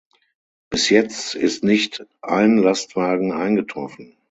Bis jetzt ist nicht ein Lastwagen eingetroffen.